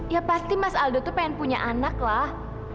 ya pasti mas aldo tuh pengen punya anak lah